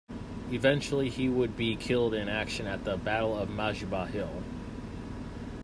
Eventually he would be killed in action at the Battle of Majuba Hill.